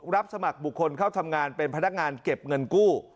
รับสมัครบุคคลเข้าทำงานเป็นพนักงานเก็บเงินกู้